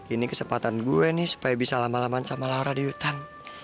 ini kesempatan gue nih supaya bisa lama laman sama laura di hutan